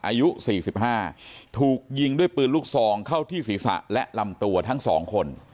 อายุ๔๕ถูกยิงด้วยปืนลูกซองเข้าที่ศีรษะและลำตัวทั้งสองคน